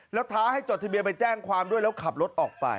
แล้วท้าให้จดทะเบียนไปแจ้งความด้วยแล้วขับรถออกไป